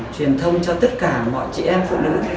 truyền thông cho tất cả mọi chị em phụ nữ